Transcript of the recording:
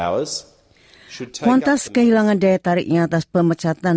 lantas kehilangan daya tariknya atas pemecatan